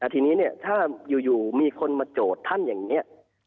ทีนี้เนี่ยถ้าอยู่มีคนมาโจทย์ท่านอย่างนี้